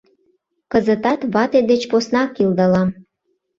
Кызытат вате деч поснак илдалам.